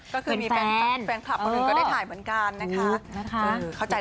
ก็คือมีแฟนคลับคนอื่นก็ได้ถ่ายเหมือนกันนะคะ